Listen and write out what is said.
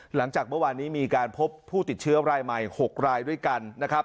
หลังจากเมื่อวานนี้มีการพบผู้ติดเชื้อรายใหม่๖รายด้วยกันนะครับ